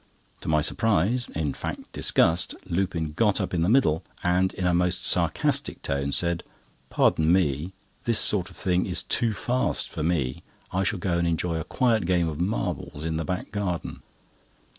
To my surprise, in fact disgust, Lupin got up in the middle, and, in a most sarcastic tone, said: "Pardon me, this sort of thing is too fast for me, I shall go and enjoy a quiet game of marbles in the back garden."